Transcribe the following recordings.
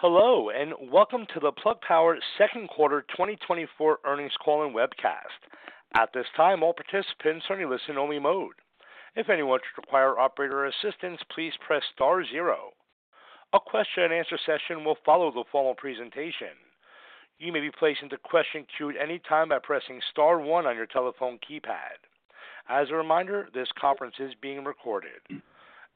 Hello, and welcome to the Plug Power Second Quarter 2024 earnings call and webcast. At this time, all participants are in listen-only mode. If anyone should require operator assistance, please press star zero. A question-and-answer session will follow the formal presentation. You may be placed into question queue at any time by pressing star one on your telephone keypad. As a reminder, this conference is being recorded.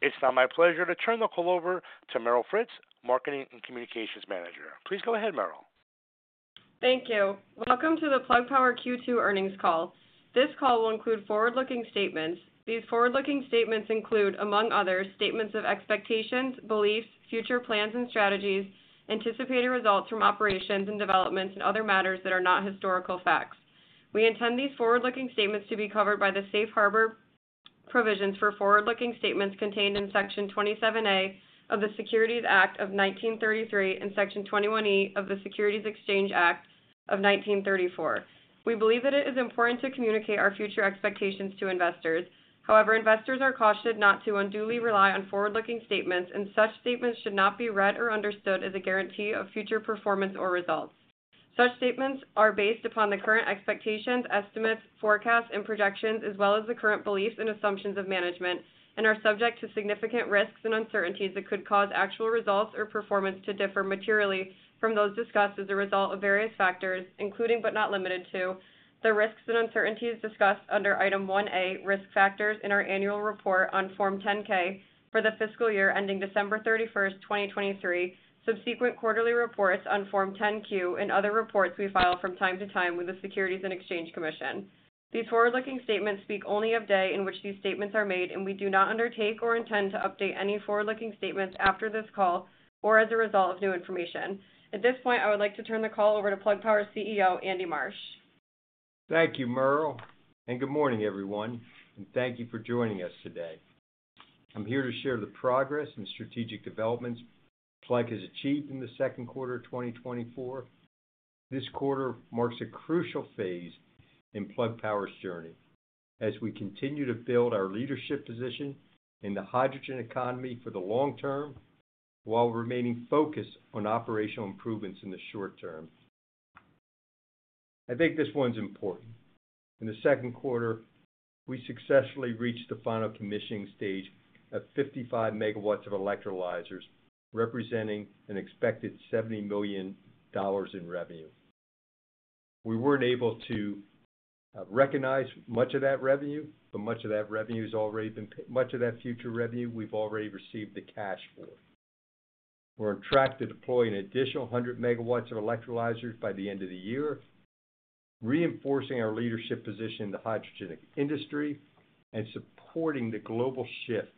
It's now my pleasure to turn the call over to Meryl Fritz, Marketing and Communications Manager. Please go ahead, Merle. Thank you. Welcome to the Plug Power Q2 earnings call. This call will include forward-looking statements. These forward-looking statements include, among others, statements of expectations, beliefs, future plans and strategies, anticipated results from operations and developments, and other matters that are not historical facts. We intend these forward-looking statements to be covered by the Safe Harbor provisions for forward-looking statements contained in Section 27A of the Securities Act of 1933 and Section 21E of the Securities Exchange Act of 1934. We believe that it is important to communicate our future expectations to investors. However, investors are cautioned not to unduly rely on forward-looking statements, and such statements should not be read or understood as a guarantee of future performance or results. Such statements are based upon the current expectations, estimates, forecasts, and projections, as well as the current beliefs and assumptions of management, and are subject to significant risks and uncertainties that could cause actual results or performance to differ materially from those discussed as a result of various factors, including but not limited to, the risks and uncertainties discussed under Item 1A, Risk Factors in our annual report on Form 10-K for the fiscal year ending December 31, 2023, subsequent quarterly reports on Form 10-Q, and other reports we file from time to time with the Securities and Exchange Commission. These forward-looking statements speak only of day in which these statements are made, and we do not undertake or intend to update any forward-looking statements after this call or as a result of new information. At this point, I would like to turn the call over to Plug Power's CEO, Andy Marsh. Thank you, Meryl, and good morning, everyone, and thank you for joining us today. I'm here to share the progress and strategic developments Plug has achieved in the second quarter of 2024. This quarter marks a crucial phase in Plug Power's journey as we continue to build our leadership position in the hydrogen economy for the long term, while remaining focused on operational improvements in the short term. I think this one's important. In the second quarter, we successfully reached the final commissioning stage at 55 megawatts of electrolyzers, representing an expected $70 million in revenue. We weren't able to recognize much of that revenue, but much of that revenue has already been... Much of that future revenue, we've already received the cash for. We're on track to deploy an additional 100 megawatts of electrolyzers by the end of the year, reinforcing our leadership position in the hydrogen industry and supporting the global shift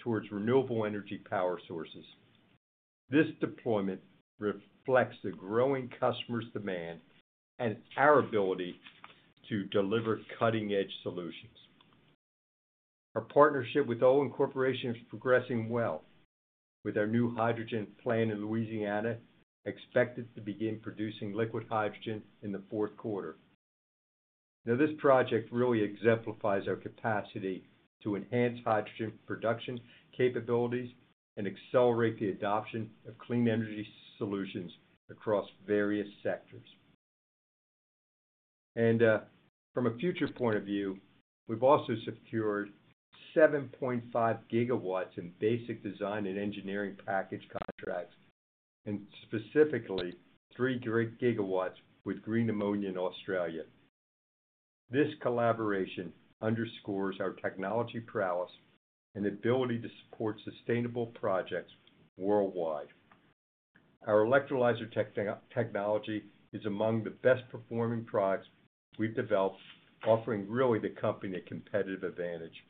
towards renewable energy power sources. This deployment reflects the growing customer's demand and our ability to deliver cutting-edge solutions. Our partnership with Olin Corporation is progressing well, with our new hydrogen plant in Louisiana expected to begin producing liquid hydrogen in the fourth quarter. Now, this project really exemplifies our capacity to enhance hydrogen production capabilities and accelerate the adoption of clean energy solutions across various sectors. And, from a future point of view, we've also secured 7.5 gigawatts in basic design and engineering package contracts, and specifically 3 gigawatts with Green Ammonia in Australia. This collaboration underscores our technology prowess and ability to support sustainable projects worldwide. Our electrolyzer technology is among the best-performing products we've developed, offering really the company a competitive advantage.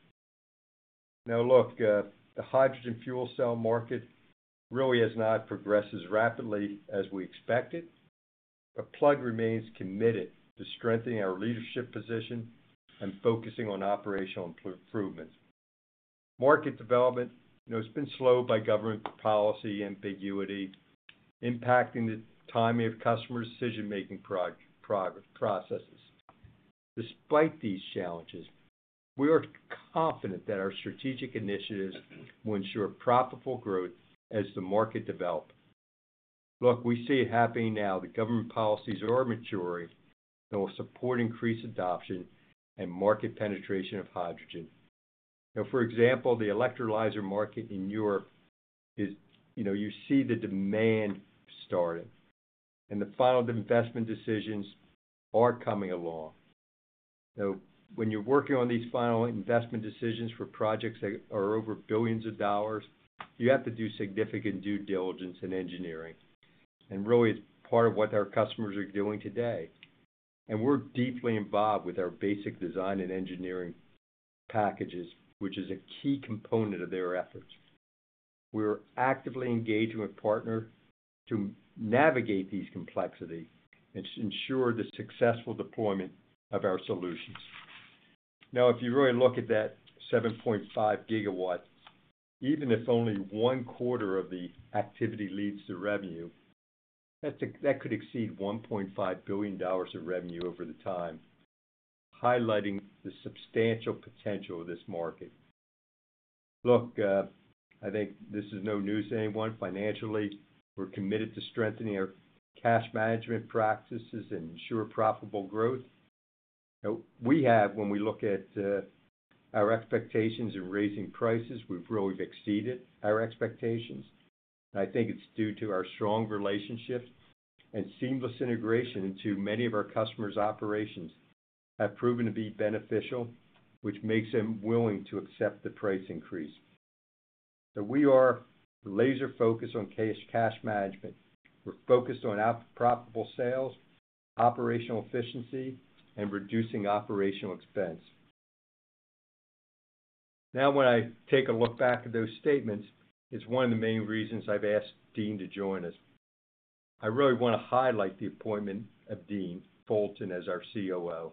Now, look, the hydrogen fuel cell market really has not progressed as rapidly as we expected, but Plug remains committed to strengthening our leadership position and focusing on operational improvements. Market development, you know, has been slowed by government policy ambiguity, impacting the timing of customers' decision-making processes. Despite these challenges, we are confident that our strategic initiatives will ensure profitable growth as the market develop. Look, we see it happening now. The government policies are maturing and will support increased adoption and market penetration of hydrogen. Now, for example, the electrolyzer market in Europe is. You know, you see the demand starting, and the final investment decisions are coming along. So when you're working on these final investment decisions for projects that are over billions of dollars, you have to do significant due diligence and engineering, and really, it's part of what our customers are doing today. We're deeply involved with our Basic Design and Engineering Packages, which is a key component of their efforts. We're actively engaging with partner to navigate these complexities and to ensure the successful deployment of our solutions. Now, if you really look at that 7.5 gigawatts, even if only one quarter of the activity leads to revenue, that's a- that could exceed $1.5 billion of revenue over the time, highlighting the substantial potential of this market.... Look, I think this is no news to anyone. Financially, we're committed to strengthening our cash management practices and ensure profitable growth. We have, when we look at, our expectations in raising prices, we've really exceeded our expectations. I think it's due to our strong relationships and seamless integration into many of our customers' operations have proven to be beneficial, which makes them willing to accept the price increase. So we are laser-focused on cash management. We're focused on our profitable sales, operational efficiency, and reducing operational expense. Now, when I take a look back at those statements, it's one of the main reasons I've asked Dean to join us. I really want to highlight the appo intment of Dean Fullerton as our COO.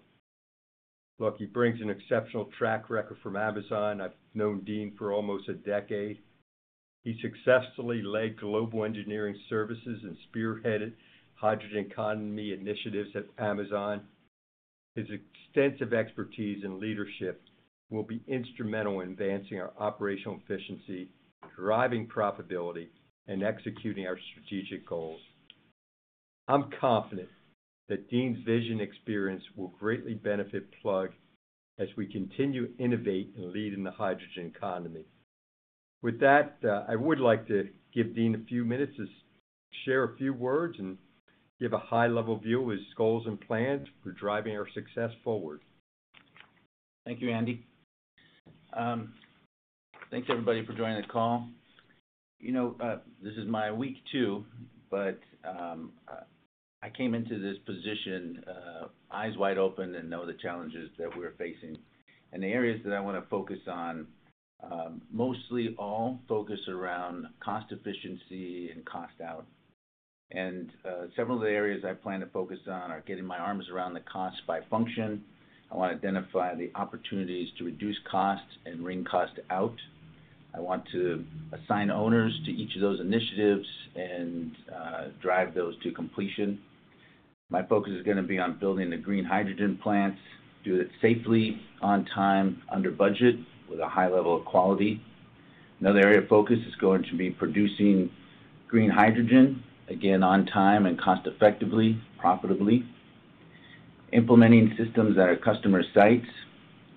Look, he brings an exceptional track record from Amazon. I've known Dean for almost a decade. He successfully led global engineering services and spearheaded hydrogen economy initiatives at Amazon. His extensive expertise and leadership will be instrumental in advancing our operational efficiency, driving profitability, and executing our strategic goals. I'm confident that Dean's vision experience will greatly benefit Plug as we continue to innovate and lead in the hydrogen economy. With that, I would like to give Dean a few minutes to share a few words and give a high-level view of his goals and plans for driving our success forward. Thank you, Andy. Thanks, everybody, for joining the call. You know, this is my week two, but I came into this position eyes wide open and know the challenges that we're facing. The areas that I wanna focus on mostly all focus around cost efficiency and cost out. Several of the areas I plan to focus on are getting my arms around the cost by function. I want to identify the opportunities to reduce costs and wring cost out. I want to assign owners to each of those initiatives and drive those to completion. My focus is gonna be on building the green hydrogen plants, do it safely, on time, under budget, with a high level of quality. Another area of focus is going to be producing green hydrogen, again, on time and cost effectively, profitably. Implementing systems at our customer sites,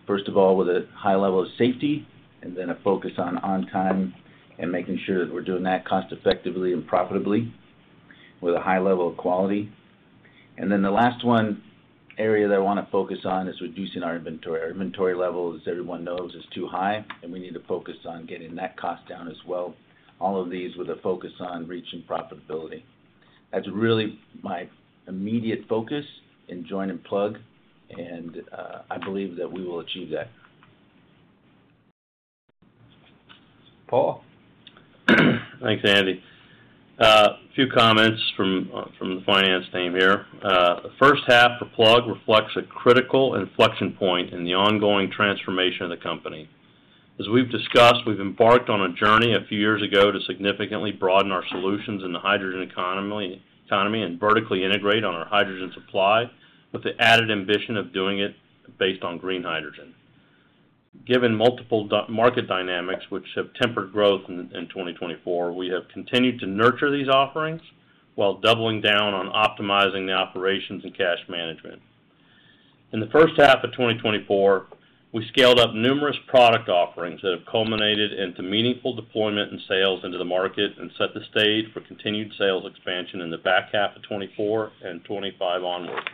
first of all, with a high level of safety, and then a focus on on-time, and making sure that we're doing that cost effectively and profitably with a high level of quality. And then the last one, area that I wanna focus on is reducing our inventory. Our inventory level, as everyone knows, is too high, and we need to focus on getting that cost down as well. All of these with a focus on reaching profitability. That's really my immediate focus in joining Plug, and I believe that we will achieve that. Paul? Thanks, Andy. A few comments from the finance team here. The first half for Plug reflects a critical inflection point in the ongoing transformation of the company. As we've discussed, we've embarked on a journey a few years ago to significantly broaden our solutions in the hydrogen economy and vertically integrate on our hydrogen supply, with the added ambition of doing it based on green hydrogen. Given multiple market dynamics, which have tempered growth in 2024, we have continued to nurture these offerings while doubling down on optimizing the operations and cash management. In the first half of 2024, we scaled up numerous product offerings that have culminated into meaningful deployment and sales into the market and set the stage for continued sales expansion in the back half of 2024 and 2025 onward,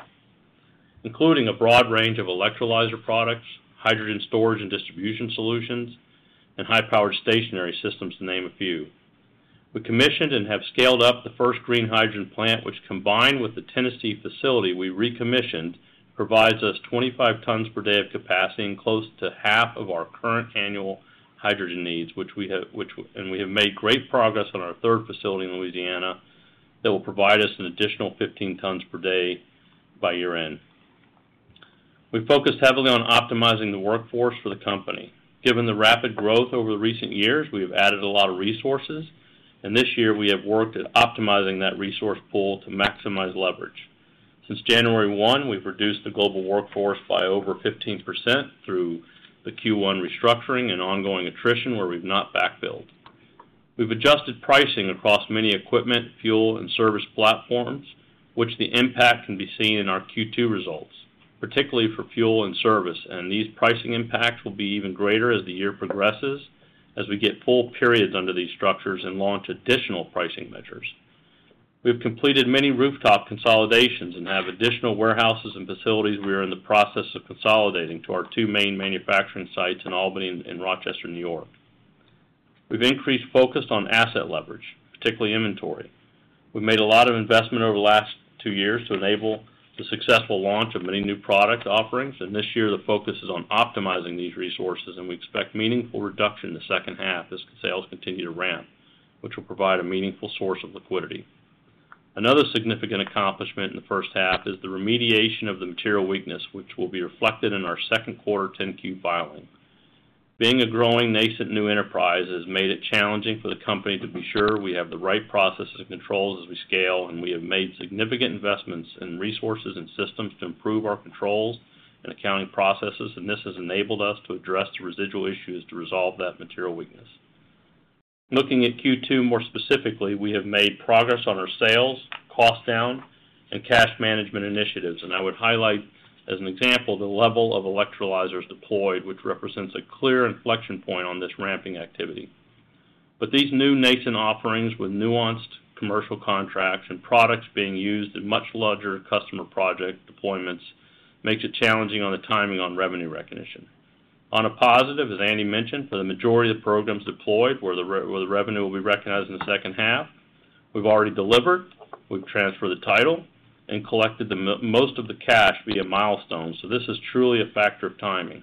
including a broad range of electrolyzer products, hydrogen storage and distribution solutions, and high-powered stationary systems, to name a few. We commissioned and have scaled up the first green hydrogen plant, which, combined with the Tennessee facility we recommissioned, provides us 25 tons per day of capacity and close to half of our current annual hydrogen needs, which we have made great progress on our third facility in Louisiana that will provide us an additional 15 tons per day by year-end. We focused heavily on optimizing the workforce for the company. Given the rapid growth over the recent years, we have added a lot of resources, and this year we have worked at optimizing that resource pool to maximize leverage. Since January 1, we've reduced the global workforce by over 15% through the Q1 restructuring and ongoing attrition, where we've not backfilled. We've adjusted pricing across many equipment, fuel, and service platforms, which the impact can be seen in our Q2 results, particularly for fuel and service, and these pricing impacts will be even greater as the year progresses, as we get full periods under these structures and launch additional pricing measures. We've completed many rooftop consolidations and have additional warehouses and facilities we are in the process of consolidating to our two main manufacturing sites in Albany and Rochester, New York. We've increased focus on asset leverage, particularly inventory. We've made a lot of investment over the last two years to enable the successful launch of many new product offerings, and this year, the focus is on optimizing these resources, and we expect meaningful reduction in the second half as sales continue to ramp, which will provide a meaningful source of liquidity. Another significant accomplishment in the first half is the remediation of the material weakness, which will be reflected in our second quarter 10-Q filing. Being a growing, nascent new enterprise has made it challenging for the company to be sure we have the right processes and controls as we scale, and we have made significant investments in resources and systems to improve our controls and accounting processes, and this has enabled us to address the residual issues to resolve that material weakness. Looking at Q2 more specifically, we have made progress on our sales, cost down, and cash management initiatives, and I would highlight, as an example, the level of electrolyzers deployed, which represents a clear inflection point on this ramping activity. But these new generation offerings, with nuanced commercial contracts and products being used in much larger customer project deployments, makes it challenging on the timing on revenue recognition. On a positive, as Andy mentioned, for the majority of the programs deployed, where the revenue will be recognized in the second half, we've already delivered, we've transferred the title, and collected most of the cash via milestones. So this is truly a factor of timing.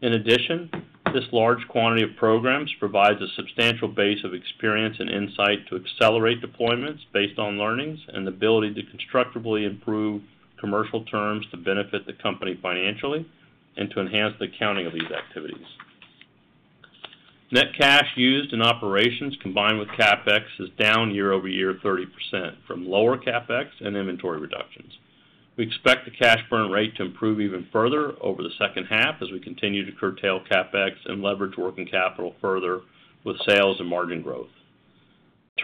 In addition, this large quantity of programs provides a substantial base of experience and insight to accelerate deployments based on learnings and the ability to constructively improve commercial terms to benefit the company financially and to enhance the accounting of these activities. Net cash used in operations, combined with CapEx, is down year-over-year, 30% from lower CapEx and inventory reductions. We expect the cash burn rate to improve even further over the second half as we continue to curtail CapEx and leverage working capital further with sales and margin growth.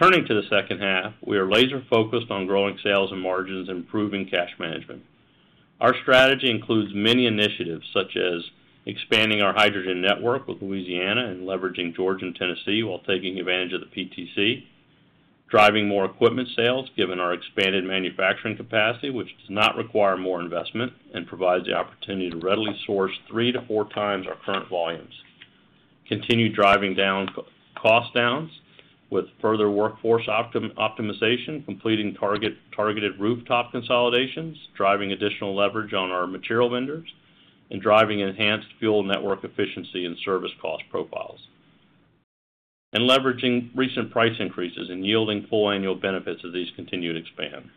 Turning to the second half, we are laser-focused on growing sales and margins, improving cash management. Our strategy includes many initiatives, such as expanding our hydrogen network with Louisiana and leveraging Georgia and Tennessee, while taking advantage of the PTC. Driving more equipment sales, given our expanded manufacturing capacity, which does not require more investment and provides the opportunity to readily source 3-4 times our current volumes. Continue driving down cost downs with further workforce optimization, completing targeted rooftop consolidations, driving additional leverage on our material vendors, and driving enhanced fuel network efficiency and service cost profiles, and leveraging recent price increases and yielding full annual benefits as these continue to expand.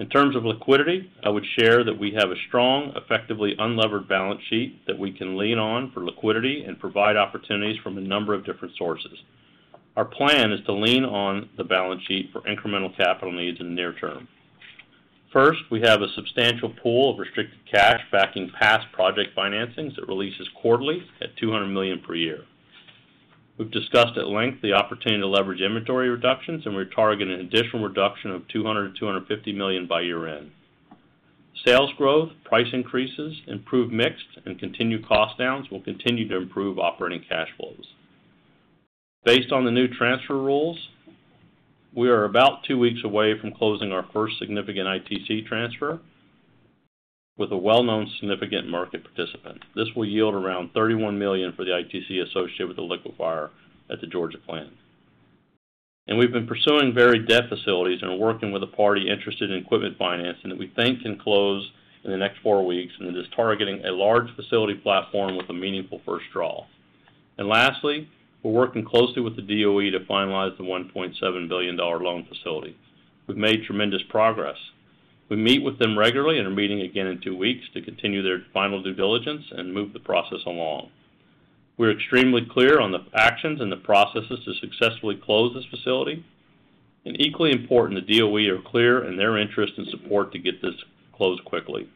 In terms of liquidity, I would share that we have a strong, effectively unlevered balance sheet that we can lean on for liquidity and provide opportunities from a number of different sources. Our plan is to lean on the balance sheet for incremental capital needs in the near term. First, we have a substantial pool of restricted cash backing past project financings that releases quarterly at $200 million per year. We've discussed at length the opportunity to leverage inventory reductions, and we're targeting an additional reduction of $200 million-$250 million by year-end. Sales growth, price increases, improved mix, and continued cost downs will continue to improve operating cash flows. Based on the new transfer rules, we are about 2 weeks away from closing our first significant ITC transfer with a well-known, significant market participant. This will yield around $31 million for the ITC associated with the liquefier at the Georgia plant. We've been pursuing varied debt facilities and are working with a party interested in equipment financing that we think can close in the next 4 weeks and is targeting a large facility platform with a meaningful first draw. Lastly, we're working closely with the DOE to finalize the $1.7 billion loan facility. We've made tremendous progress. We meet with them regularly and are meeting again in two weeks to continue their final due diligence and move the process along. We're extremely clear on the actions and the processes to successfully close this facility, and equally important, the DOE are clear in their interest and support to get this closed quickly.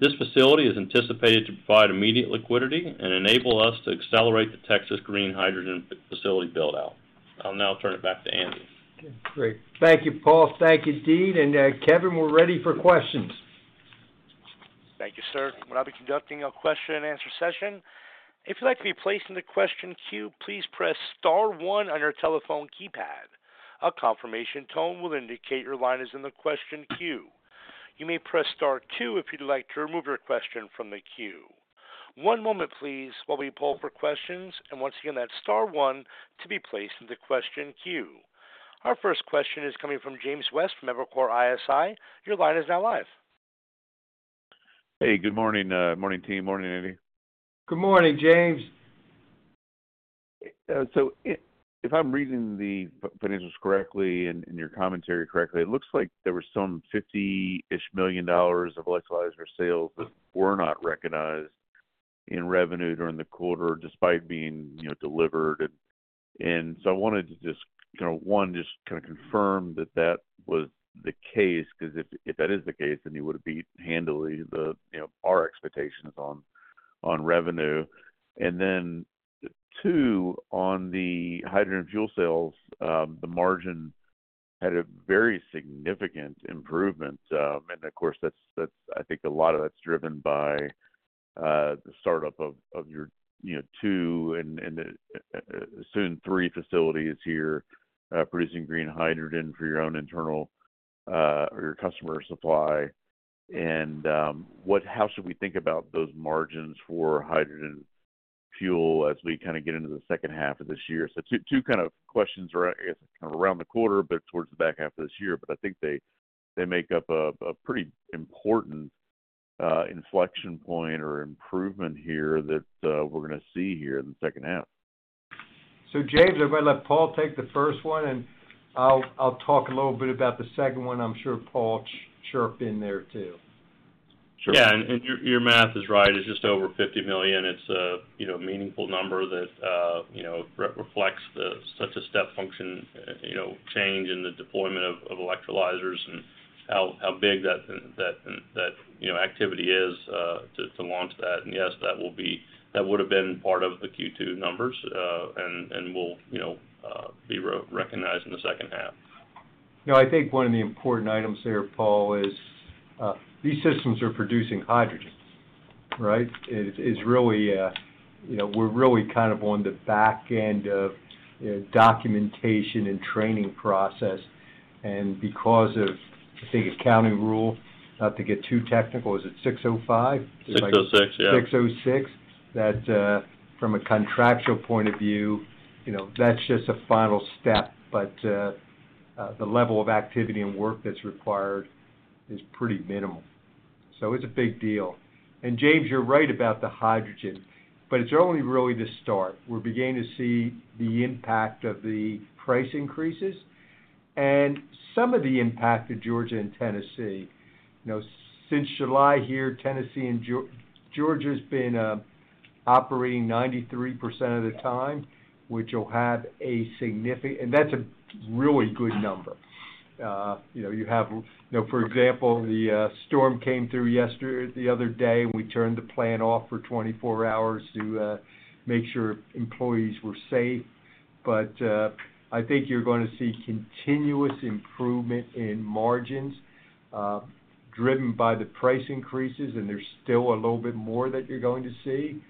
This facility is anticipated to provide immediate liquidity and enable us to accelerate the Texas Green Hydrogen facility build-out. I'll now turn it back to Andy. Okay, great. Thank you, Paul. Thank you, Dean. And, Kevin, we're ready for questions. Thank you, sir. Well, I'll be conducting a question and answer session. If you'd like to be placed in the question queue, please press star one on your telephone keypad. A confirmation tone will indicate your line is in the question queue. You may press star two if you'd like to remove your question from the queue. One moment, please, while we poll for questions. And once again, that's star one to be placed in the question queue. Our first question is coming from James West, from Evercore ISI. Your line is now live. Hey, good morning, morning, team. Morning, Andy. Good morning, James. So if I'm reading the financials correctly and your commentary correctly, it looks like there were some $50-ish million of electrolyzer sales that were not recognized in revenue during the quarter, despite being, you know, delivered. So I wanted to just, you know, one, just kind of confirm that that was the case, 'cause if that is the case, then you would have beat handily the, you know, our expectations on revenue. And then, two, on the hydrogen fuel cells, the margin had a very significant improvement. And of course, that's – I think a lot of that's driven by the startup of your, you know, 2 and soon 3 facilities here producing green hydrogen for your own internal or your customer supply. How should we think about those margins for hydrogen fuel as we kind of get into the second half of this year? So two kind of questions around, I guess, kind of around the quarter, a bit towards the back half of this year, but I think they make up a pretty important inflection point or improvement here that we're gonna see here in the second half. So James, I'm gonna let Paul take the first one, and I'll, I'll talk a little bit about the second one. I'm sure Paul will chime in there, too. Yeah, and your math is right. It's just over $50 million. It's a, you know, meaningful number that reflects the such a step function, you know, change in the deployment of electrolyzers and how big that, you know, activity is to launch that. And yes, that will be that would have been part of the Q2 numbers, and will, you know, be recognized in the second half.... No, I think one of the important items there, Paul, is these systems are producing hydrogen, right? It is really, you know, we're really kind of on the back end of documentation and training process, and because of, I think, accounting rule, not to get too technical, is it 605? 606, yeah. 606, that, from a contractual point of view, you know, that's just a final step, but, the level of activity and work that's required is pretty minimal. So it's a big deal. And James, you're right about the hydrogen, but it's only really the start. We're beginning to see the impact of the price increases and some of the impact of Georgia and Tennessee. You know, since July here, Tennessee and Georgia's been operating 93% of the time, which will have a significant, and that's a really good number. You know, for example, the storm came through yesterday, the other day, and we turned the plant off for 24 hours to make sure employees were safe. I think you're gonna see continuous improvement in margins, driven by the price increases, and there's still a little bit more that you're going to see,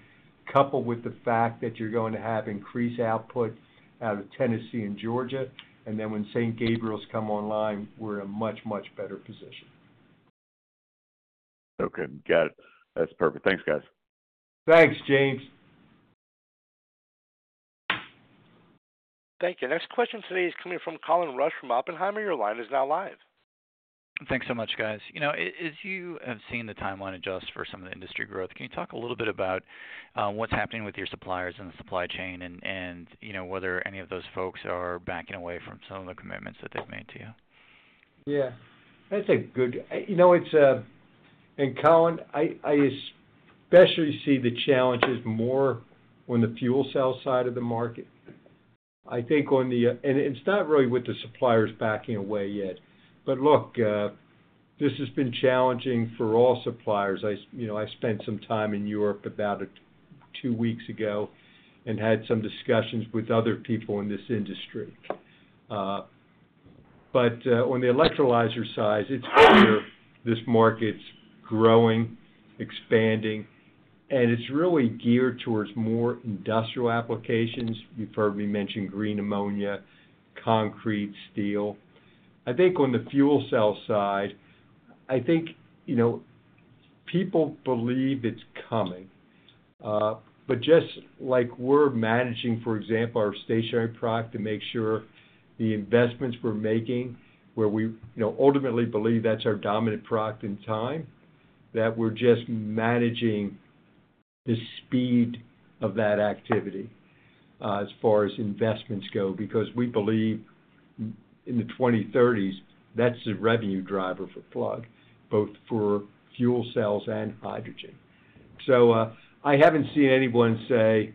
coupled with the fact that you're going to have increased output out of Tennessee and Georgia, and then when St. Gabriel's come online, we're in a much, much better position. Okay, got it. That's perfect. Thanks, guys. Thanks, James. Thank you. Next question today is coming from Colin Rusch from Oppenheimer. Your line is now live. Thanks so much, guys. You know, as you have seen the timeline adjust for some of the industry growth, can you talk a little bit about what's happening with your suppliers and the supply chain and, you know, whether any of those folks are backing away from some of the commitments that they've made to you? Yeah, that's a good-- you know, it's... And Colin, I especially see the challenges more on the fuel sales side of the market. I think on the-- and it's not really with the suppliers backing away yet, but look, this has been challenging for all suppliers. I-- you know, I spent some time in Europe about two weeks ago and had some discussions with other people in this industry. But on the electrolyzer side, it's clear this market's growing, expanding, and it's really geared towards more industrial applications. You've heard me mention green ammonia, concrete, steel. I think on the fuel cell side, I think, you know, people believe it's coming, but just like we're managing, for example, our stationary product to make sure the investments we're making, where we, you know, ultimately believe that's our dominant product in time, that we're just managing the speed of that activity, as far as investments go, because we believe in the 2030s, that's the revenue driver for Plug, both for fuel cells and hydrogen. So, I haven't seen anyone say,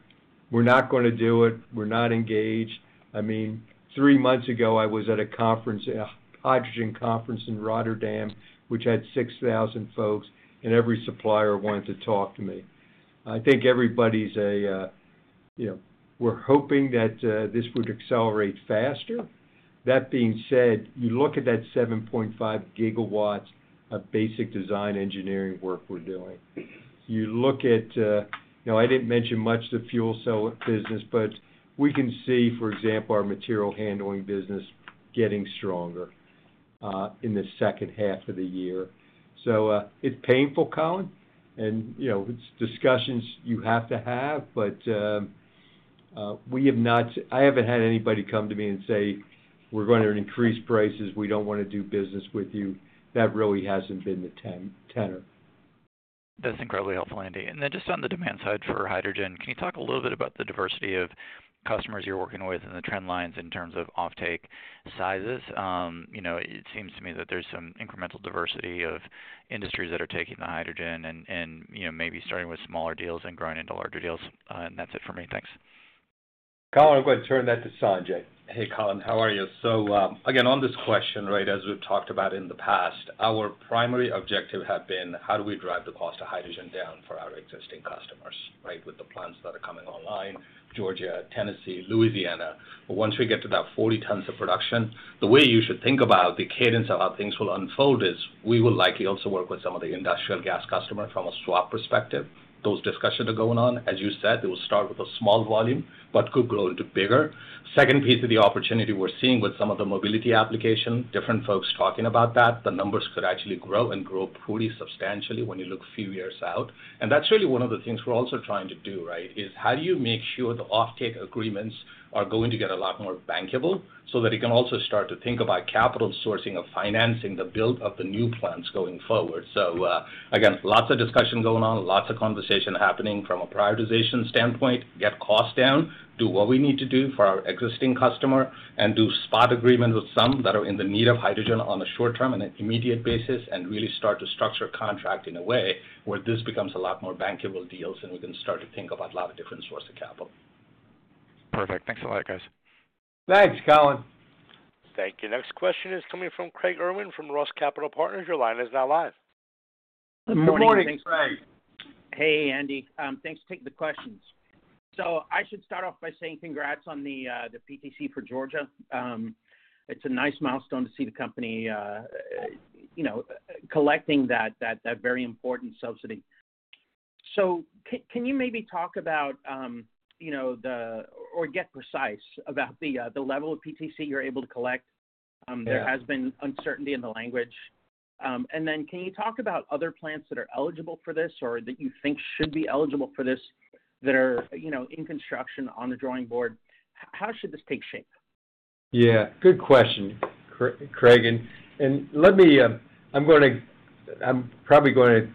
"We're not gonna do it. We're not engaged." I mean, three months ago, I was at a conference, a hydrogen conference in Rotterdam, which had 6,000 folks, and every supplier wanted to talk to me. I think everybody's a, you know, we're hoping that this would accelerate faster. That being said, you look at that 7.5 gigawatts of basic design engineering work we're doing. You look at, you know, I didn't mention much the fuel cell business, but we can see, for example, our material handling business getting stronger, in the second half of the year. So, it's painful, Colin, and, you know, it's discussions you have to have, but, we have not. I haven't had anybody come to me and say, "We're going to increase prices. We don't wanna do business with you." That really hasn't been the tenor. That's incredibly helpful, Andy. And then just on the demand side for hydrogen, can you talk a little bit about the diversity of customers you're working with and the trend lines in terms of offtake sizes? You know, it seems to me that there's some incremental diversity of industries that are taking the hydrogen and, you know, maybe starting with smaller deals and growing into larger deals. And that's it for me. Thanks. Colin, I'm going to turn that to Sanjay. Hey, Colin, how are you? So, again, on this question, right, as we've talked about in the past, our primary objective have been: how do we drive the cost of hydrogen down for our existing customers, right? With the plans that are coming online, Georgia, Tennessee, Louisiana. But once we get to that 40 tons of production, the way you should think about the cadence of how things will unfold is we will likely also work with some of the industrial gas customers from a swap perspective. Those discussions are going on. As you said, it will start with a small volume, but could grow into bigger. Second piece of the opportunity we're seeing with some of the mobility application, different folks talking about that, the numbers could actually grow and grow pretty substantially when you look a few years out. That's really one of the things we're also trying to do, right, is how do you make sure the offtake agreements are going to get a lot more bankable, so that you can also start to think about capital sourcing of financing, the build of the new plants going forward. So, again, lots of discussion going on, lots of conversation happening from a prioritization standpoint, get costs down, do what we need to do for our existing customer, and do spot agreements with some that are in the need of hydrogen on a short term and an immediate basis, and really start to structure contract in a way where this becomes a lot more bankable deals, and we can start to think about a lot of different sources of capital. Perfect. Thanks a lot, guys. Thanks, Colin. Thank you. Next question is coming from Craig Irwin from Roth Capital Partners. Your line is now live. Good morning, Craig. Hey, Andy, thanks for taking the questions. So I should start off by saying congrats on the, the PTC for Georgia. It's a nice milestone to see the company, you know, collecting that, that, that very important subsidy. So can you maybe talk about, you know, the-- or get precise about the, the level of PTC you're able to collect? Yeah. There has been uncertainty in the language. Then can you talk about other plants that are eligible for this or that you think should be eligible for this, that are, you know, in construction on the drawing board? How should this take shape? Yeah, good question, Craig. And, and let me, I'm gonna. I'm probably gonna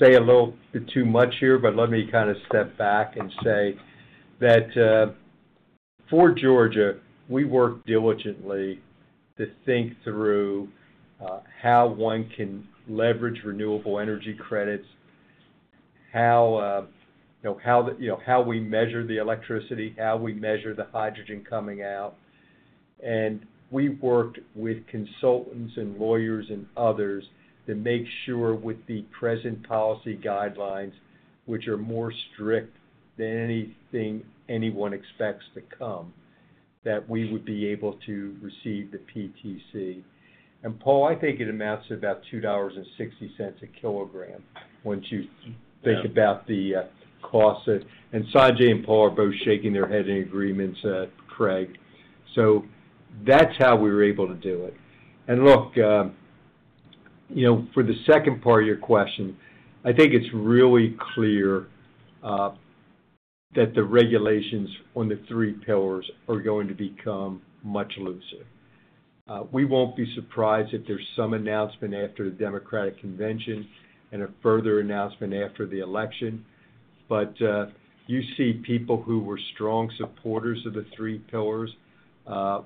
say a little bit too much here, but let me kind of step back and say that, for Georgia, we worked diligently to think through, how one can leverage renewable energy credits, how, you know, how the, you know, how we measure the electricity, how we measure the hydrogen coming out. And we worked with consultants and lawyers and others to make sure with the present policy guidelines, which are more strict than anything anyone expects to come, that we would be able to receive the PTC. And Paul, I think it amounts to about $2.60 a kilogram, once you- Yeah Think about the costs. And Sanjay and Paul are both shaking their heads in agreement, Craig. So that's how we were able to do it. And look, you know, for the second part of your question, I think it's really clear that the regulations on the Three Pillars are going to become much looser. We won't be surprised if there's some announcement after the Democratic convention and a further announcement after the election. But you see people who were strong supporters of the Three Pillars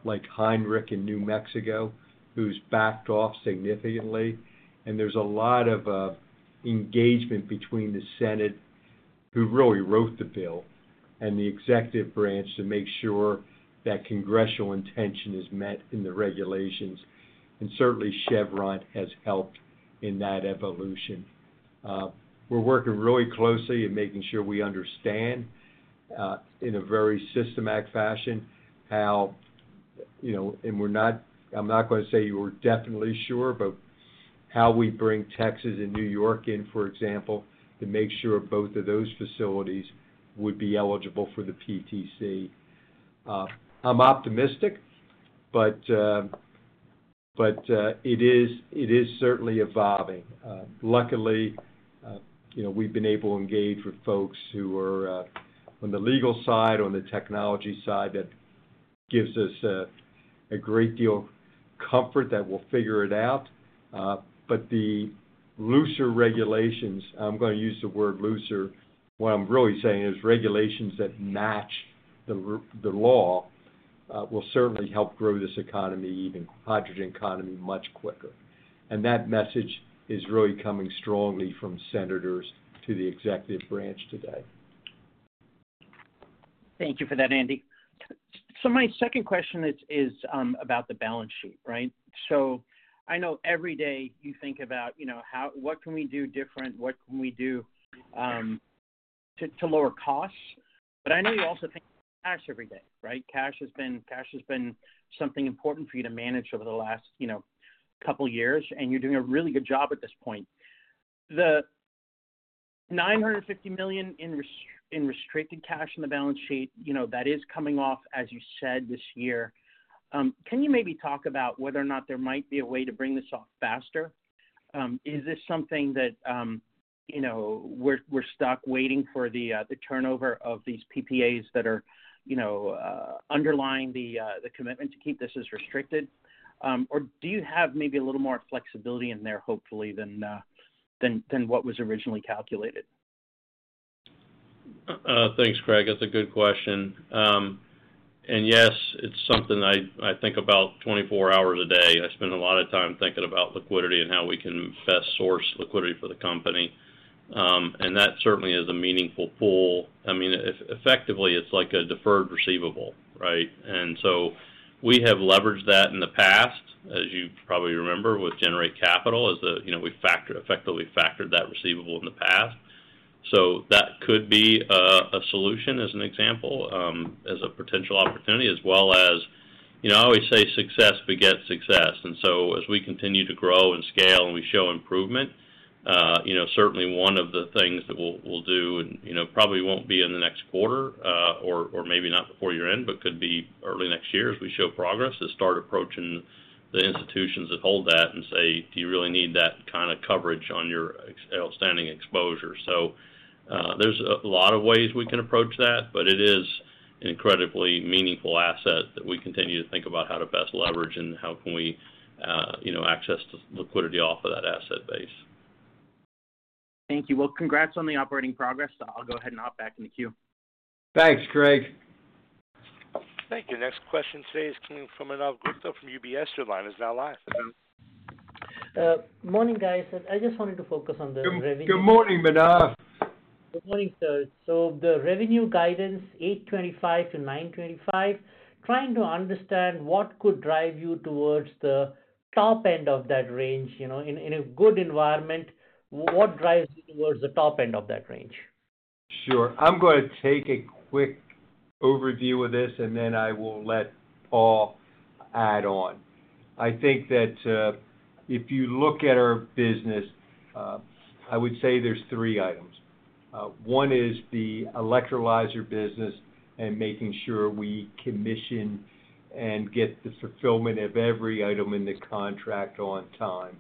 like Heinrich in New Mexico, who's backed off significantly. And there's a lot of engagement between the Senate, who really wrote the bill, and the executive branch to make sure that congressional intention is met in the regulations. And certainly, Chevron has helped in that evolution. We're working really closely in making sure we understand, in a very systematic fashion, how, you know... And we're not-- I'm not going to say we're definitely sure, but how we bring Texas and New York in, for example, to make sure both of those facilities would be eligible for the PTC. I'm optimistic, but, but, it is, it is certainly evolving. Luckily, you know, we've been able to engage with folks who are, on the legal side, on the technology side. That gives us a, a great deal of comfort that we'll figure it out. But the looser regulations, I'm going to use the word looser. What I'm really saying is regulations that match the r- the law, will certainly help grow this economy, even hydrogen economy, much quicker. That message is really coming strongly from senators to the executive branch today. Thank you for that, Andy. So my second question is about the balance sheet, right? So I know every day you think about, you know, how what can we do different? What can we do to lower costs? But I know you also think cash every day, right? Cash has been, cash has been something important for you to manage over the last, you know, couple of years, and you're doing a really good job at this point. The $950 million in restricted cash on the balance sheet, you know, that is coming off, as you said, this year. Can you maybe talk about whether or not there might be a way to bring this off faster? Is this something that, you know, we're, we're stuck waiting for the, the turnover of these PPAs that are, you know, underlying the, the commitment to keep this as restricted? Or do you have maybe a little more flexibility in there, hopefully, than, than what was originally calculated? Thanks, Craig. That's a good question. And yes, it's something I think about 24 hours a day. I spend a lot of time thinking about liquidity and how we can best source liquidity for the company. And that certainly is a meaningful pool. I mean, effectively, it's like a deferred receivable, right? And so we have leveraged that in the past, as you probably remember, with Generate Capital, as the, you know, we factored—effectively factored that receivable in the past. So that could be a solution, as an example, as a potential opportunity, as well as... You know, I always say success begets success. And so as we continue to grow and scale and we show improvement, you know, certainly one of the things that we'll do, and, you know, probably won't be in the next quarter, or maybe not before year-end, but could be early next year, as we show progress, is start approaching the institutions that hold that and say: Do you really need that kind of coverage on your outstanding exposure? So, there's a lot of ways we can approach that, but it is an incredibly meaningful asset that we continue to think about how to best leverage and how can we, you know, access the liquidity off of that asset base. Thank you. Well, congrats on the operating progress. I'll go ahead and hop back in the queue. Thanks, Craig. Thank you. Next question today is coming from Manav Gupta from UBS. Your line is now live. Morning, guys. I just wanted to focus on the revenue- Good morning, Manav. Good morning, sir. So the revenue guidance, $825 million-$925 million, trying to understand what could drive you towards the top end of that range. You know, in, in a good environment, what drives you towards the top end of that range? Sure. I'm going to take a quick overview of this, and then I will let Paul add on. I think that, if you look at our business, I would say there's three items. One is the electrolyzer business and making sure we commission and get the fulfillment of every item in the contract on time.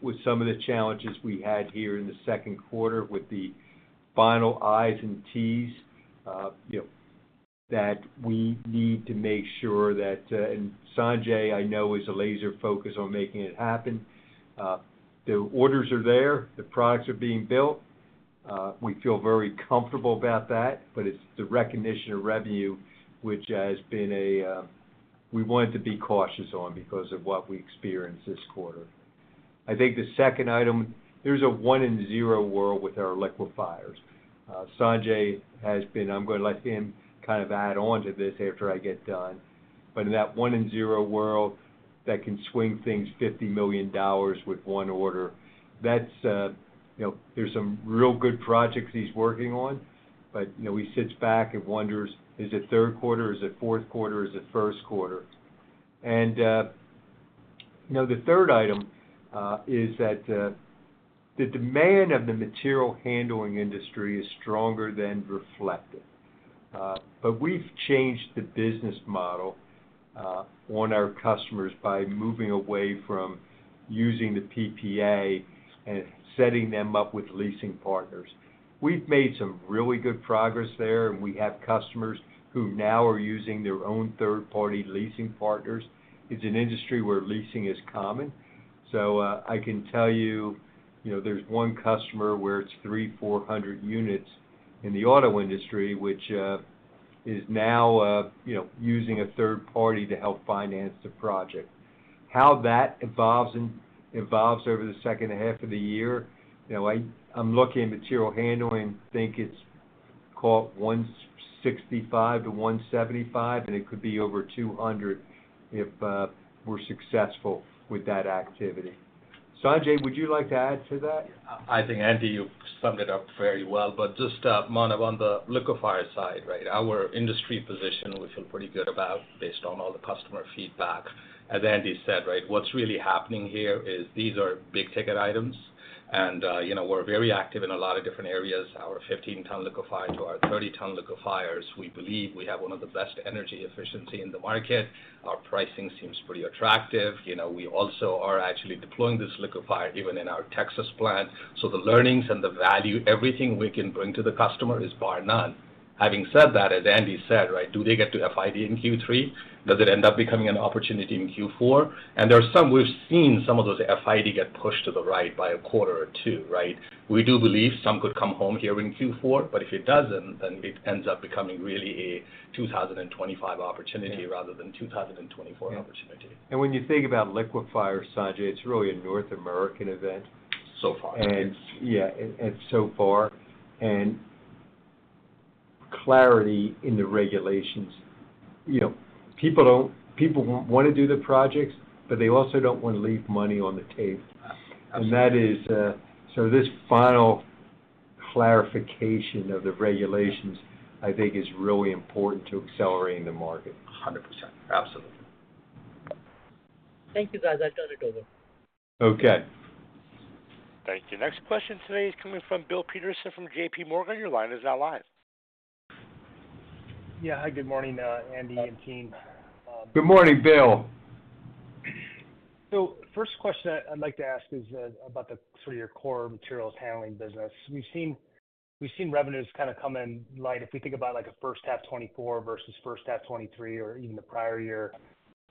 With some of the challenges we had here in the second quarter with the final i's and t's, you know, that we need to make sure that... And Sanjay, I know, is a laser focus on making it happen. The orders are there, the products are being built. We feel very comfortable about that, but it's the recognition of revenue, which has been a, we wanted to be cautious on because of what we experienced this quarter. I think the second item, there's a 1 and 0 world with our liquefiers. Sanjay has been—I'm gonna let him kind of add on to this after I get done, but in that 1 and 0 world, that can swing things $50 million with one order. That's, you know, there's some real good projects he's working on, but, you know, he sits back and wonders, is it third quarter, is it fourth quarter, is it first quarter? And, you know, the third item is that the demand of the material handling industry is stronger than reflected. But we've changed the business model on our customers by moving away from using the PPA and setting them up with leasing partners. We've made some really good progress there, and we have customers who now are using their own third-party leasing partners. It's an industry where leasing is common. So, I can tell you, you know, there's one customer where it's 300-400 units in the auto industry, which, is now, you know, using a third party to help finance the project. How that evolves over the second half of the year, you know, I, I'm looking at material handling, think it's called 165-175, and it could be over 200 if, we're successful with that activity. Sanjay, would you like to add to that? I think, Andy, you summed it up very well, but just, Manav, on the liquefier side, right? Our industry position, we feel pretty good about based on all the customer feedback. As Andy said, right, what's really happening here is these are big-ticket items, and, you know, we're very active in a lot of different areas. Our 15-ton liquefier to our 30-ton liquefiers, we believe we have one of the best energy efficiency in the market. Our pricing seems pretty attractive. You know, we also are actually deploying this liquefier even in our Texas plant. So the learnings and the value, everything we can bring to the customer is bar none. Having said that, as Andy said, right, do they get to FID in Q3? Does it end up becoming an opportunity in Q4? There are some. We've seen some of those FID get pushed to the right by a quarter or two, right? We do believe some could come home here in Q4, but if it doesn't, then it ends up becoming really a 2025 opportunity rather than a 2024 opportunity. Yeah. And when you think about liquefier, Sanjay, it's really a North American event. So far. Yeah, so far, clarity in the regulations. You know, people don't, people want to do the projects, but they also don't want to leave money on the table. Absolutely. And that is, so this final clarification of the regulations, I think, is really important to accelerating the market. 100%. Absolutely. Thank you, guys. I turn it over. Okay. Thank you. Next question today is coming from Bill Peterson from JP Morgan. Your line is now live. Yeah. Hi, good morning, Andy and team, Good morning, Bill. So first question I'd like to ask is about the sort of your core materials handling business. We've seen, we've seen revenues kind of come in light. If we think about, like, a first half 2024 versus first half 2023 or even the prior year,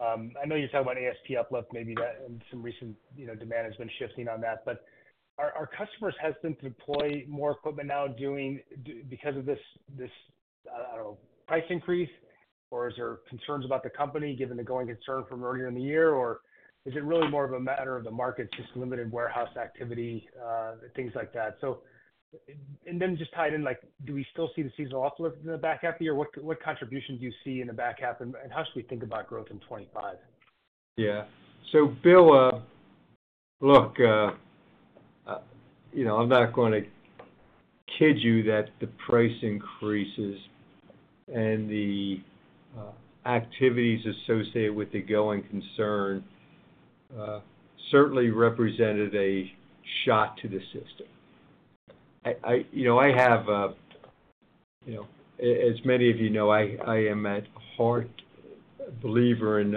I know you talked about ASP uplift, maybe that and some recent, you know, demand has been shifting on that. But are customers hesitant to deploy more equipment now because of this, this, I don't know, price increase? Or is there concerns about the company, given the going concern from earlier in the year? Or is it really more of a matter of the market, just limited warehouse activity, things like that? So and then just tied in, like, do we still see the seasonal off lift in the back half of the year? What contribution do you see in the back half, and how should we think about growth in 2025? Yeah. So Bill, look, you know, I'm not gonna kid you that the price increases and the activities associated with the going concern certainly represented a shot to the system. I, you know, I have... You know, as many of you know, I am at heart a believer in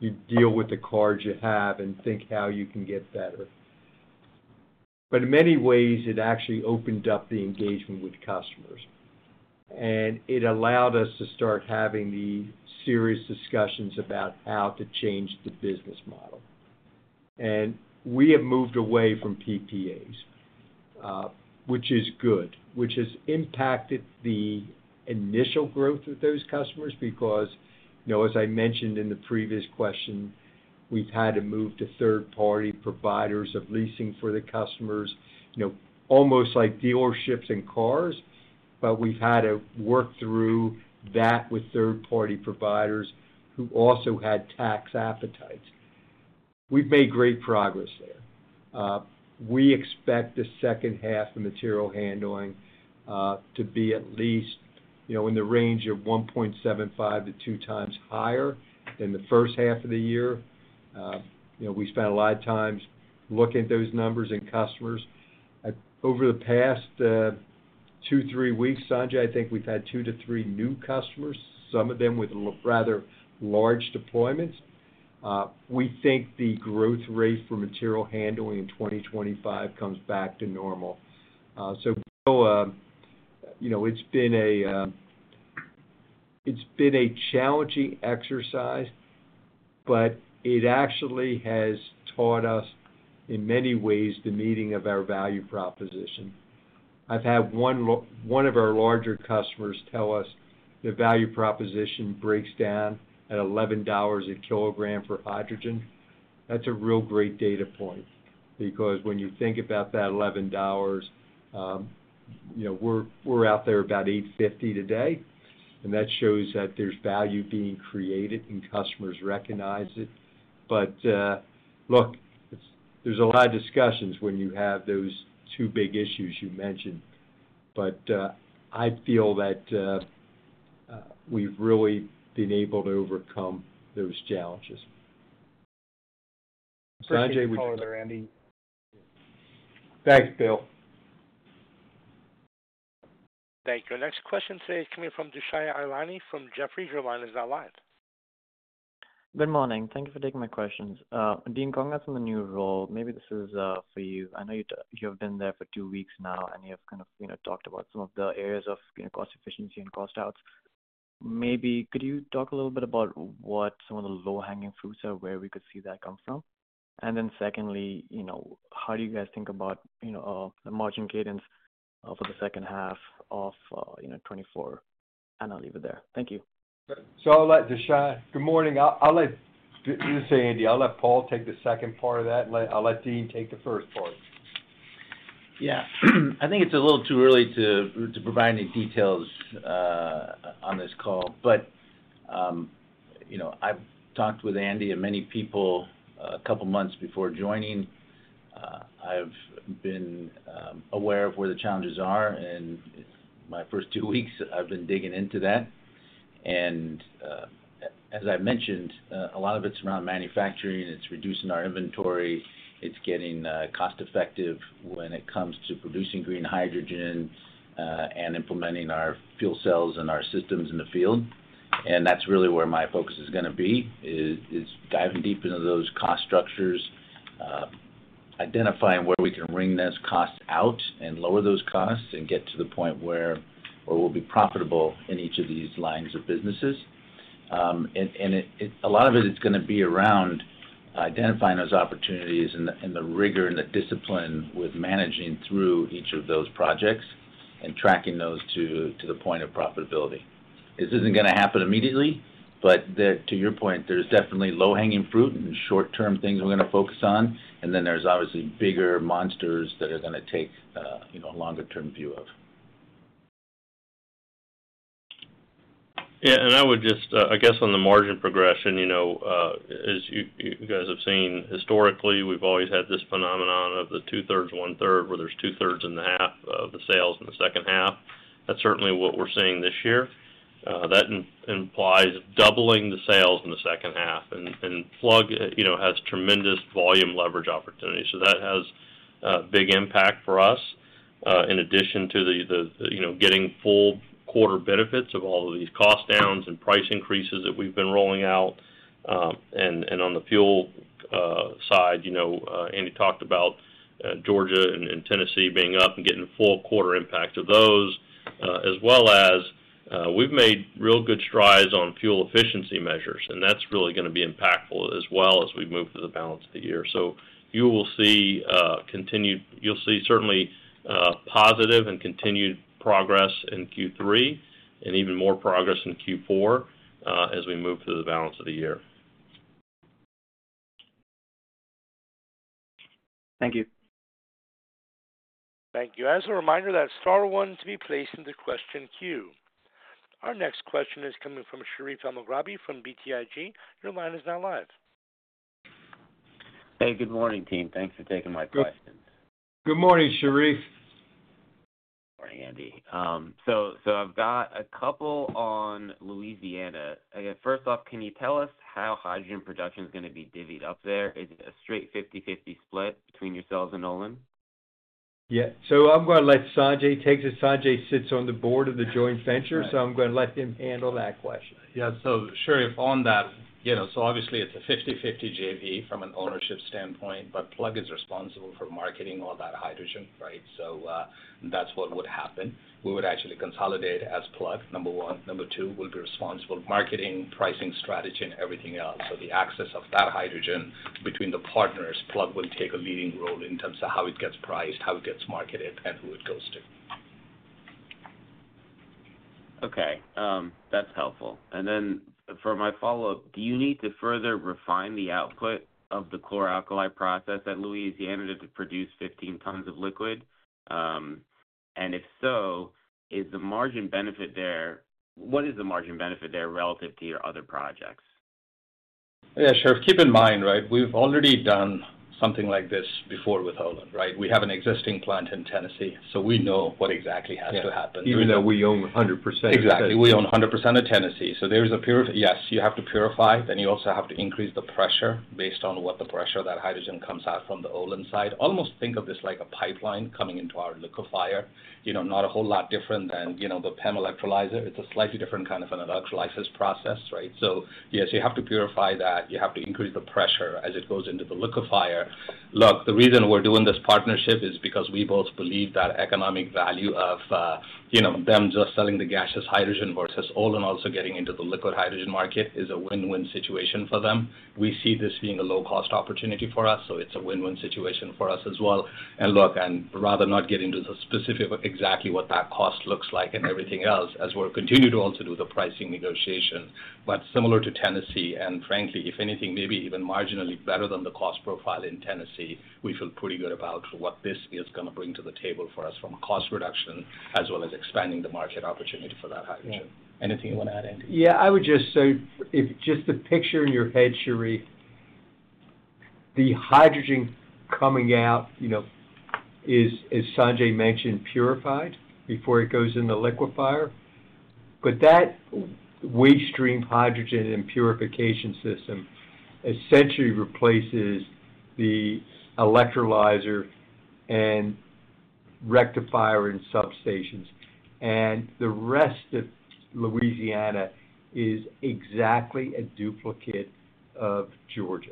you deal with the cards you have and think how you can get better. But in many ways, it actually opened up the engagement with customers, and it allowed us to start having the serious discussions about how to change the business model. And we have moved away from PPAs, which is good, which has impacted the initial growth of those customers because, you know, as I mentioned in the previous question,... We've had to move to third-party providers of leasing for the customers, you know, almost like dealerships and cars, but we've had to work through that with third-party providers who also had tax appetites. We've made great progress there. We expect the second half of material handling to be at least, you know, in the range of 1.75-2 times higher than the first half of the year. You know, we spent a lot of times looking at those numbers and customers. Over the past 2-3 weeks, Sanjay, I think we've had 2-3 new customers, some of them with rather large deployments. We think the growth rate for material handling in 2025 comes back to normal. So, you know, it's been a challenging exercise, but it actually has taught us, in many ways, the meaning of our value proposition. I've had one of our larger customers tell us the value proposition breaks down at $11 a kilogram for hydrogen. That's a real great data point, because when you think about that $11, you know, we're out there about $8.50 today, and that shows that there's value being created, and customers recognize it. But, look, it's, there's a lot of discussions when you have those two big issues you mentioned, but I feel that we've really been able to overcome those challenges. Sanjay, would you- Appreciate the call there, Andy. Thanks, Bill. Thank you. Next question today is coming from Dushyant Ailani from Jefferies. Your line is now live. Good morning. Thank you for taking my questions. Dean, congrats on the new role. Maybe this is for you. I know you have been there for two weeks now, and you have kind of, you know, talked about some of the areas of, you know, cost efficiency and cost outs. Maybe could you talk a little bit about what some of the low-hanging fruits are, where we could see that come from? And then secondly, you know, how do you guys think about, you know, the margin cadence for the second half of 2024? And I'll leave it there. Thank you. So Dushyant. Good morning. I'll let you say, Andy. I'll let Paul take the second part of that, and I'll let Dean take the first part. Yeah. I think it's a little too early to provide any details on this call. But, you know, I've talked with Andy and many people a couple months before joining. I've been aware of where the challenges are, and in my first two weeks, I've been digging into that. And, as I mentioned, a lot of it's around manufacturing, and it's reducing our inventory. It's getting cost-effective when it comes to producing green hydrogen and implementing our fuel cells and our systems in the field. And that's really where my focus is gonna be, diving deep into those cost structures, identifying where we can wring those costs out and lower those costs and get to the point where we'll be profitable in each of these lines of businesses. And a lot of it is gonna be around identifying those opportunities and the rigor and the discipline with managing through each of those projects and tracking those to the point of profitability. This isn't gonna happen immediately, but to your point, there's definitely low-hanging fruit and short-term things we're gonna focus on, and then there's obviously bigger monsters that are gonna take you know a longer-term view of. Yeah, and I would just, I guess on the margin progression, you know, as you guys have seen historically, we've always had this phenomenon of the two-thirds, one-third, where there's two-thirds in the half of the sales in the second half. That's certainly what we're seeing this year. That implies doubling the sales in the second half. And Plug, you know, has tremendous volume leverage opportunity. So that has a big impact for us, in addition to the, you know, getting full quarter benefits of all of these cost downs and price increases that we've been rolling out. On the fuel side, you know, Andy talked about Georgia and Tennessee being up and getting full quarter impact of those, as well as we've made real good strides on fuel efficiency measures, and that's really gonna be impactful as well as we move through the balance of the year. So you will see certainly positive and continued progress in Q3 and even more progress in Q4 as we move through the balance of the year. Thank you. Thank you. As a reminder, that's star one to be placed in the question queue. Our next question is coming from Sharif Elmaghrabi from BTIG. Your line is now live. Hey, good morning, team. Thanks for taking my questions. Good morning, Sharif. Morning, Andy. So I've got a couple on Louisiana. Again, first off, can you tell us how hydrogen production is gonna be divvied up there? Is it a straight 50/50 split between yourselves and Olin? Yeah. So I'm gonna let Sanjay take this. Sanjay sits on the board of the joint venture- Right. I'm gonna let him handle that question. Yeah. So Sharif, on that, you know, so obviously it's a 50/50 JV from an ownership standpoint, but Plug is responsible for marketing all that hydrogen, right? So, that's what would happen. We would actually consolidate as Plug, number one. Number two, we'll be responsible for marketing, pricing, strategy, and everything else. So the access of that hydrogen between the partners, Plug will take a leading role in terms of how it gets priced, how it gets marketed, and who it goes to. Okay, that's helpful. And then for my follow-up, do you need to further refine the output of the chlor-alkali process at Louisiana to produce 15 tons of liquid? And if so, is the margin benefit there - what is the margin benefit there relative to your other projects? Yeah, sure. Keep in mind, right, we've already done something like this before with Olin, right? We have an existing plant in Tennessee, so we know what exactly has to happen. Yeah, even though we own 100%. Exactly. We own 100% of Tennessee, so yes, you have to purify, then you also have to increase the pressure based on what the pressure that hydrogen comes out from the Olin side. Almost think of this like a pipeline coming into our liquefier. You know, not a whole lot different than, you know, the PEM electrolyzer. It's a slightly different kind of an electrolysis process, right? So yes, you have to purify that. You have to increase the pressure as it goes into the liquefier. Look, the reason we're doing this partnership is because we both believe that economic value of, you know, them just selling the gaseous hydrogen versus Olin also getting into the liquid hydrogen market is a win-win situation for them. We see this being a low-cost opportunity for us, so it's a win-win situation for us as well. Look, I'd rather not get into the specifics of exactly what that cost looks like and everything else, as we're continuing to also do the pricing negotiations. But similar to Tennessee, and frankly, if anything, maybe even marginally better than the cost profile in Tennessee, we feel pretty good about what this is gonna bring to the table for us from a cost reduction, as well as expanding the market opportunity for that hydrogen. Yeah. Anything you want to add, Andy? Yeah, I would just say, if just the picture in your head, Sherif, the hydrogen coming out, you know, is, as Sanjay mentioned, purified before it goes in the liquefier. But that waste stream hydrogen and purification system essentially replaces the electrolyzer and rectifier and substations, and the rest of Louisiana is exactly a duplicate of Georgia.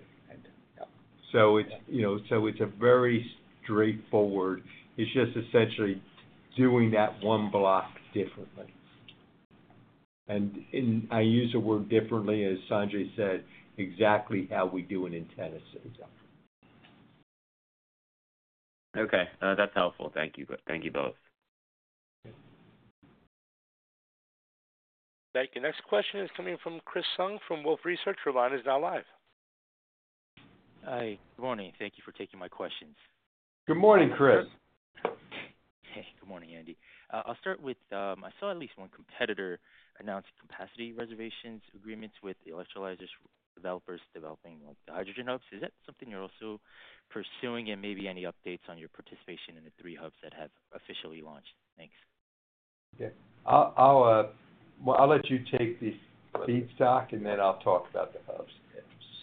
Yeah. So it's, you know, a very straightforward... It's just essentially doing that one block differently. And I use the word differently, as Sanjay said, exactly how we do it in Tennessee. Exactly. Okay, that's helpful. Thank you. Thank you both. Thank you. Next question is coming from Chris Tsung from Wolfe Research. Your line is now live. Hi, good morning. Thank you for taking my questions. Good morning, Chris. Good morning, Andy. I'll start with, I saw at least one competitor announce capacity reservations agreements with the electrolyzers developers developing, like, hydrogen hubs. Is that something you're also pursuing? And maybe any updates on your participation in the three hubs that have officially launched? Thanks. Yeah. Well, I'll let you take the feedstock, and then I'll talk about the hubs.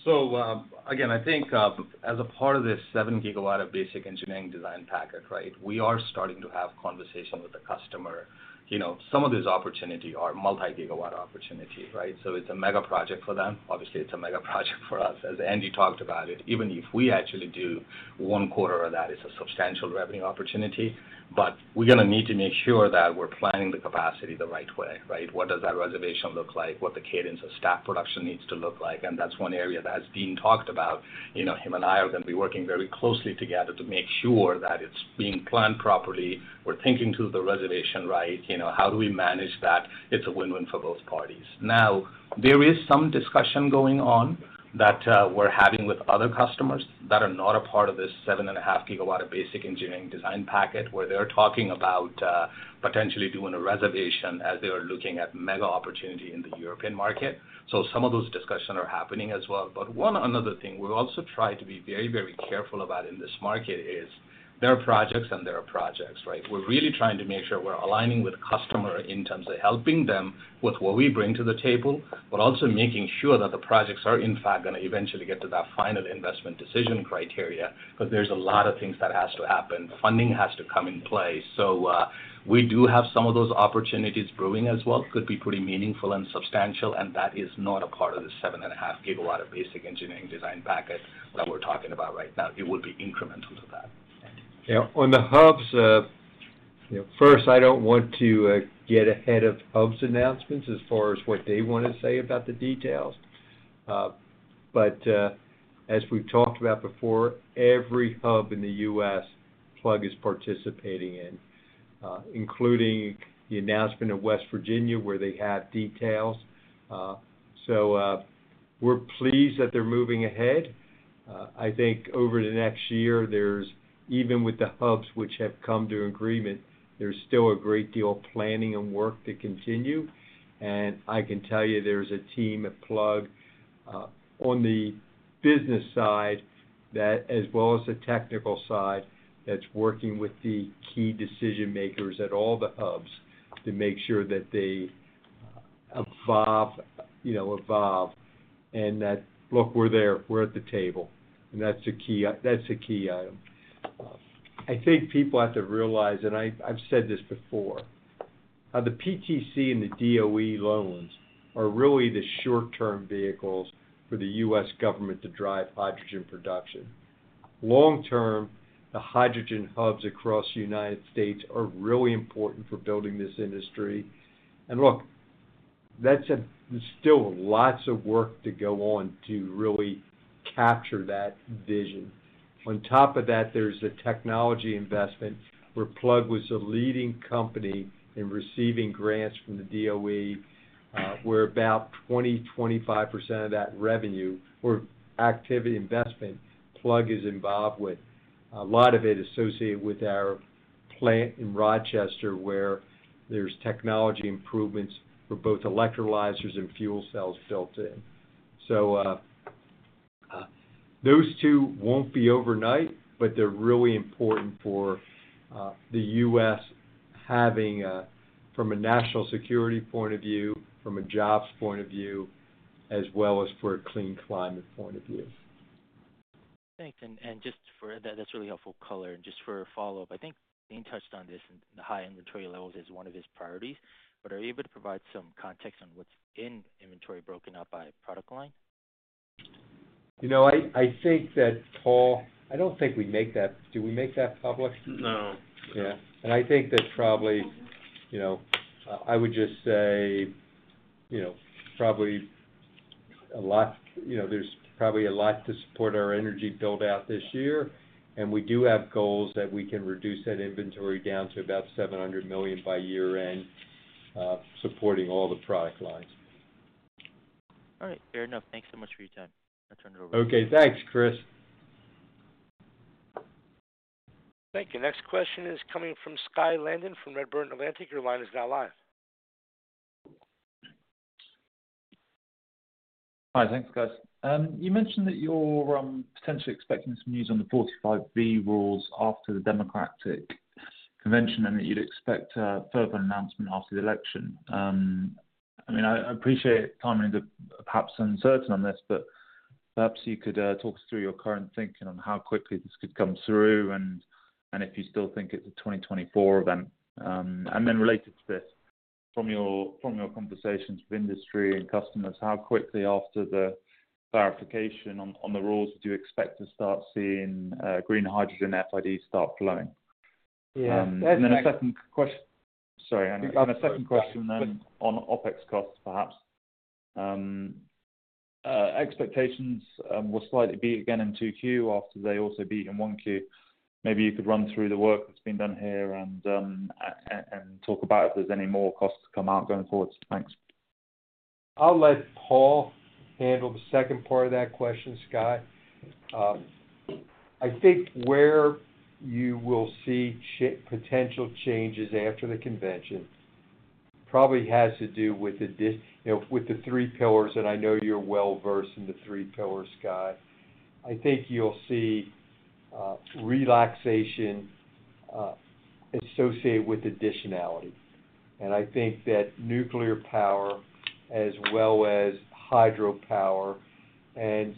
So, again, I think, as a part of this 7-gigawatt basic engineering design package, right, we are starting to have conversation with the customer. You know, some of these opportunity are multi-gigawatt opportunity, right? So it's a mega project for them. Obviously, it's a mega project for us. As Andy talked about it, even if we actually do one quarter of that, it's a substantial revenue opportunity, but we're gonna need to make sure that we're planning the capacity the right way, right? What does that reservation look like? What the cadence of stack production needs to look like, and that's one area that, as Dean talked about, you know, him and I are gonna be working very closely together to make sure that it's being planned properly, we're thinking through the reservation right. You know, how do we manage that? It's a win-win for both parties. Now, there is some discussion going on that, we're having with other customers that are not a part of this 7.5 gigawatt of basic engineering design package, where they're talking about, potentially doing a reservation as they are looking at mega opportunity in the European market. So some of those discussions are happening as well. But one another thing we're also trying to be very, very careful about in this market is, there are projects and there are projects, right? We're really trying to make sure we're aligning with the customer in terms of helping them with what we bring to the table, but also making sure that the projects are, in fact, gonna eventually get to that final investment decision criteria, but there's a lot of things that has to happen. Funding has to come in play. So, we do have some of those opportunities brewing as well. Could be pretty meaningful and substantial, and that is not a part of the 7.5 gigawatt of basic engineering design package that we're talking about right now. It would be incremental to that. Yeah. On the hubs, you know, first, I don't want to get ahead of hubs announcements as far as what they want to say about the details. But, as we've talked about before, every hub in the US, Plug is participating in, including the announcement of West Virginia, where they have details. So, we're pleased that they're moving ahead. I think over the next year, there's even with the hubs which have come to agreement, there's still a great deal of planning and work to continue. And I can tell you there's a team at Plug, on the business side that, as well as the technical side, that's working with the key decision makers at all the hubs to make sure that they evolve, you know, evolve, and that... Look, we're there. We're at the table, and that's a key, that's a key item. I think people have to realize, and I've, I've said this before, the PTC and the DOE loans are really the short-term vehicles for the U.S. government to drive hydrogen production. Long-term, the hydrogen hubs across the United States are really important for building this industry. And look, that's a, there's still lots of work to go on to really capture that vision. On top of that, there's the technology investment, where Plug was a leading company in receiving grants from the DOE, where about 20%-25% of that revenue or activity investment Plug is involved with. A lot of it associated with our plant in Rochester, where there's technology improvements for both electrolyzers and fuel cells built in. Those two won't be overnight, but they're really important for the U.S. having from a national security point of view, from a jobs point of view, as well as for a clean climate point of view. Thanks, that's really helpful color, and just for a follow-up, I think Dean touched on this, and the high inventory levels is one of his priorities, but are you able to provide some context on what's in inventory broken out by product line? You know, I think that, Paul, I don't think we make that, do we make that public? No. Yeah. And I think that probably, you know, I would just say, you know, probably a lot, you know, there's probably a lot to support our energy build-out this year, and we do have goals that we can reduce that inventory down to about $700 million by year-end, supporting all the product lines. All right, fair enough. Thanks so much for your time. I'll turn it over- Okay. Thanks, Chris. Thank you. Next question is coming from Skye Landon from Redburn Atlantic. Your line is now live. Hi. Thanks, guys. You mentioned that you're potentially expecting some news on the 45V rules after the Democratic convention and that you'd expect a further announcement after the election. I mean, I appreciate timing is, perhaps, uncertain on this, but perhaps you could talk us through your current thinking on how quickly this could come through, and if you still think it's a 2024 event. And then related to this, from your conversations with industry and customers, how quickly after the clarification on the rules do you expect to start seeing green hydrogen FIDs start flowing? Yeah- And then a second question. Sorry, and a second question then on OpEx costs, perhaps. Expectations were slightly beat again in 2Q after they also beat in 1Q. Maybe you could run through the work that's been done here and talk about if there's any more costs to come out going forward. Thanks. I'll let Paul handle the second part of that question, Skye. I think where you will see potential changes after the convention probably has to do with the you know, with the Three Pillars, and I know you're well versed in the Three Pillars, Skye. I think you'll see relaxation associated with additionality, and I think that nuclear power as well as hydropower and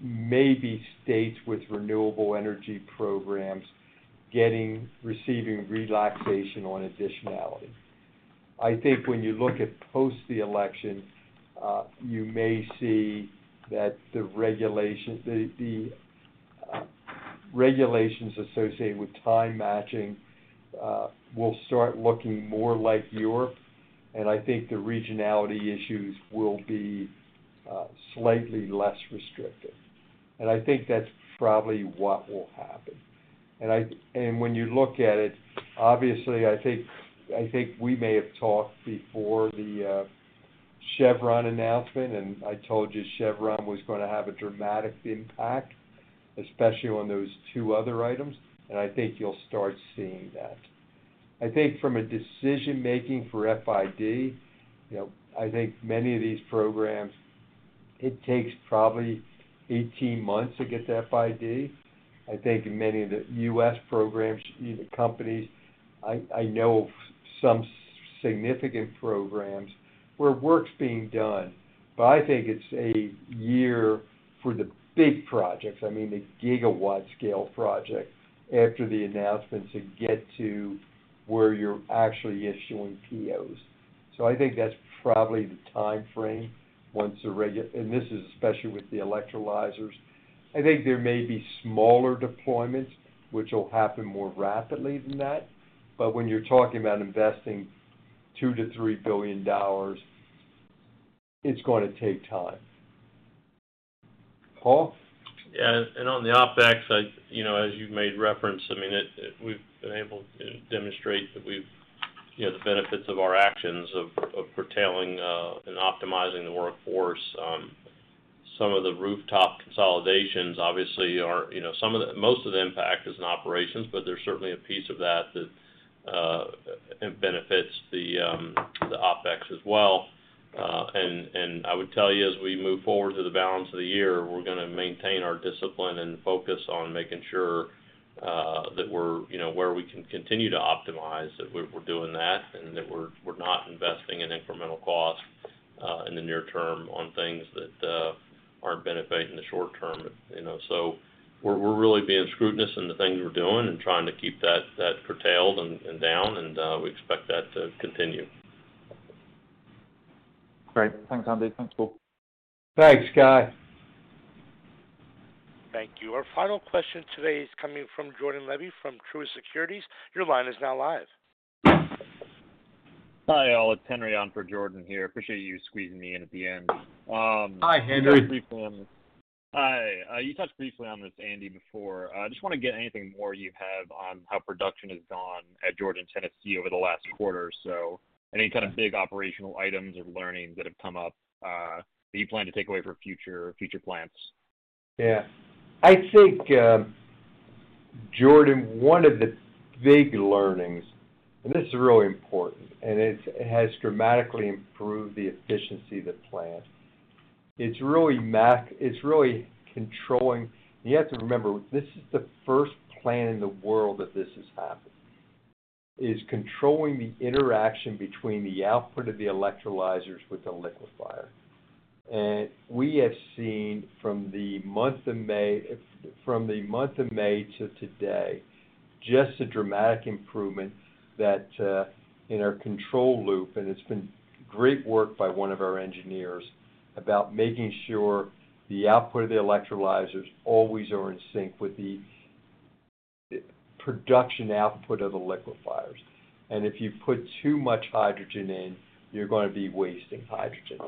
maybe states with renewable energy programs receiving relaxation on additionality. I think when you look at post the election, you may see that the regulation, the regulations associated with time matching will start looking more like Europe, and I think the regionality issues will be slightly less restrictive. And I think that's probably what will happen. And I when you look at it, obviously, I think, I think we may have talked before the Chevron announcement, and I told you Chevron was gonna have a dramatic impact, especially on those two other items, and I think you'll start seeing that. I think from a decision-making for FID, you know, I think many of these programs, it takes probably 18 months to get to FID. I think in many of the U.S. programs, the companies, I, I know of some significant programs where work's being done, but I think it's a year for the big projects, I mean, the gigawatt scale projects, after the announcement to get to where you're actually issuing POs. So I think that's probably the timeframe once the reg-- and this is especially with the electrolyzers. I think there may be smaller deployments, which will happen more rapidly than that, but when you're talking about investing $2 billion-$3 billion, it's gonna take time. Paul? Yeah, and on the OpEx side, you know, as you've made reference, I mean, we've been able to demonstrate that we've, you know, the benefits of our actions of curtailing and optimizing the workforce. Some of the rooftop consolidations obviously are, you know, some of the most of the impact is in operations, but there's certainly a piece of that that benefits the OpEx as well. And I would tell you, as we move forward to the balance of the year, we're gonna maintain our discipline and focus on making sure that we're, you know, where we can continue to optimize, that we're doing that, and that we're not investing in incremental costs in the near term on things that aren't benefiting the short term. You know, so we're really being scrutinous in the things we're doing and trying to keep that curtailed and down, and we expect that to continue. Great. Thanks, Andy. Thanks, Paul. Thanks, Skye. Thank you. Our final question today is coming from Jordan Levy from Truist Securities. Your line is now live. Hi, all. It's Henry on for Jordan here. Appreciate you squeezing me in at the end. Hi, Henry. Hi. You touched briefly on this, Andy, before. I just wanna get anything more you have on how production has gone at Georgia and Tennessee over the last quarter. So any kind of big operational items or learnings that have come up, that you plan to take away for future, future plans? Yeah. I think, Jordan, one of the big learnings, and this is really important, and it has dramatically improved the efficiency of the plant. It's really controlling. You have to remember, this is the first plant in the world that this has happened, is controlling the interaction between the output of the electrolyzers with the liquefier. And we have seen from the month of May, from the month of May to today, just a dramatic improvement that in our control loop, and it's been great work by one of our engineers about making sure the output of the electrolyzers always are in sync with the production output of the liquefiers. And if you put too much hydrogen in, you're gonna be wasting hydrogen.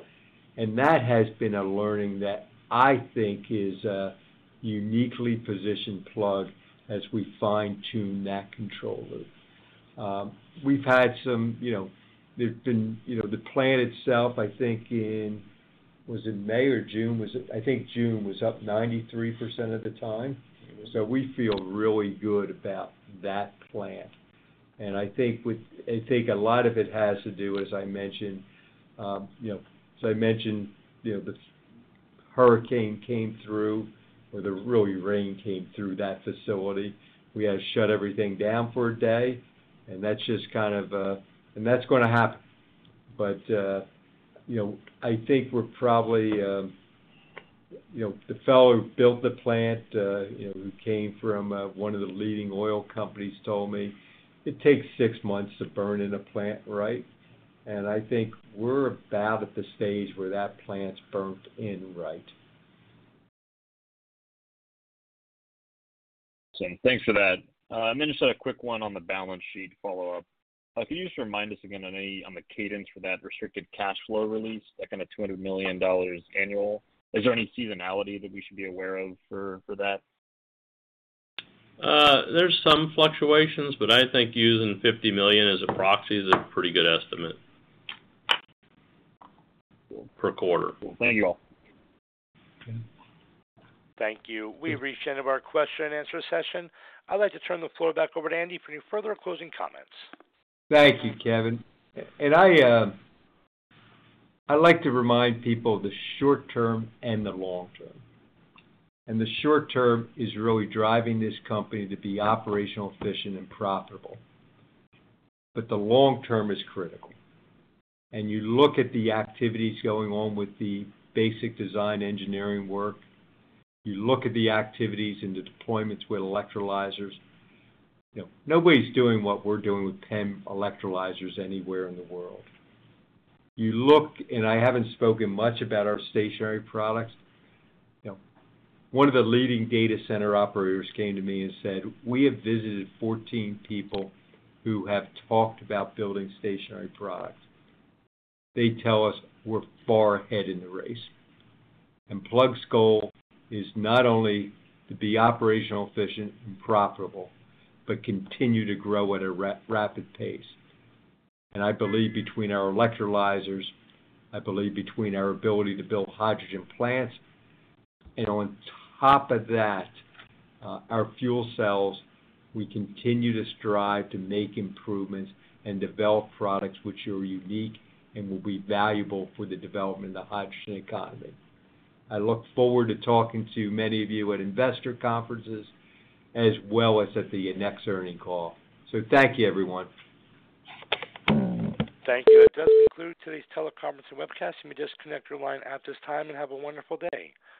And that has been a learning that I think is uniquely positioned Plug as we fine-tune that controller. We've had some. You know, there's been, you know, the plant itself, I think in, was it May or June? Was it? I think June was up 93% of the time. So we feel really good about that plant. And I think with. I think a lot of it has to do, as I mentioned, you know, so I mentioned, you know, the hurricane came through, or the really rain came through that facility. We had to shut everything down for a day, and that's just kind of a, and that's gonna happen. But, you know, I think we're probably, you know, the fellow who built the plant, you know, who came from, one of the leading oil companies, told me it takes six months to burn in a plant, right? I think we're about at the stage where that plant's burned in, right. Thanks for that. And then just a quick one on the balance sheet follow-up. Can you just remind us again on any, on the cadence for that restricted cash flow release, that kind of $200 million annual? Is there any seasonality that we should be aware of for that? There's some fluctuations, but I think using $50 million as a proxy is a pretty good estimate per quarter. Thank you all. Thank you. We've reached the end of our question and answer session. I'd like to turn the floor back over to Andy for any further closing comments. Thank you, Kevin. I, I'd like to remind people the short term and the long term. The short term is really driving this company to be operational, efficient, and profitable. But the long term is critical. You look at the activities going on with the basic design engineering work, you look at the activities and the deployments with electrolyzers. You know, nobody's doing what we're doing with 10 electrolyzers anywhere in the world. You look, and I haven't spoken much about our stationary products. You know, one of the leading data center operators came to me and said, "We have visited 14 people who have talked about building stationary products. They tell us we're far ahead in the race." Plug's goal is not only to be operational, efficient, and profitable, but continue to grow at a rapid pace. I believe between our ability to build hydrogen plants, and on top of that, our fuel cells, we continue to strive to make improvements and develop products which are unique and will be valuable for the development of the hydrogen economy. I look forward to talking to many of you at investor conferences as well as at the next earnings call. Thank you, everyone. Thank you. That does conclude today's teleconference and webcast. You may disconnect your line at this time and have a wonderful day.